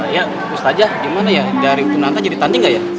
ya ustazah gimana ya dari kun anta jadi tanding gak ya